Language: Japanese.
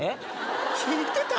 聞いてた？